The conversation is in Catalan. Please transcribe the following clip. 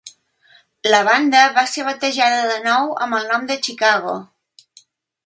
La banda va ser batejada de nou amb el nom de Chicago.